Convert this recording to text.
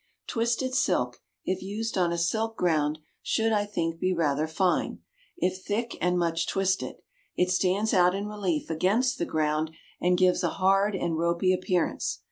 Twisted silk, if used on a silk ground, should, I think, be rather fine; if thick and much twisted, it stands out in relief against the ground and gives a hard and ropy appearance.